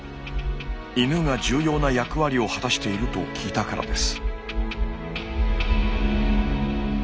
犬が重要な役割を果たしていると聞いたからです。